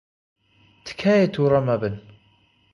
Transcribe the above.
تکایە تووڕە مەبن.